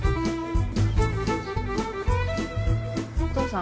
お父さん